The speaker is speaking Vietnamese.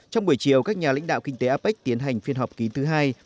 trong buổi chiều các nhà lãnh đạo kinh tế apec tiến hành phiên họp kín thứ hai